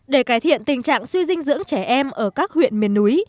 để cải thiện tình trạng suy dinh dưỡng trẻ em ở các huyện miền núi